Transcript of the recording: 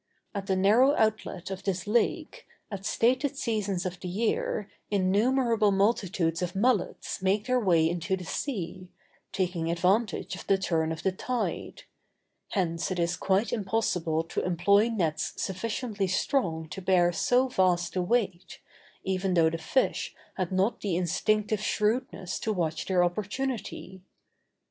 At the narrow outlet of this lake, at stated seasons of the year innumerable multitudes of mullets make their way into the sea, taking advantage of the turn of the tide; hence it is quite impossible to employ nets sufficiently strong to bear so vast a weight, even though the fish had not the instinctive shrewdness to watch their opportunity.